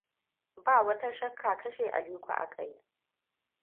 Ba wata shakka kashe Aliko aka yi.